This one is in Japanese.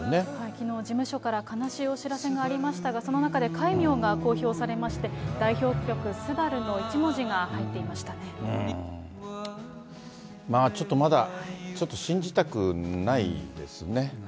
きのう事務所から悲しいお知らせがありましたが、その中で戒名が公表されまして、代表曲、ちょっとまだ、ちょっと信じたくないですね。